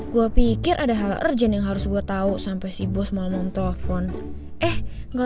gue pikir ada hal urgent yang harus gue tahu sampai si bos mau telepon eh enggak